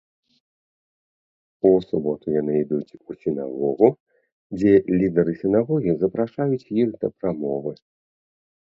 У суботу яны ідуць у сінагогу, дзе лідары сінагогі запрашаюць іх да прамовы.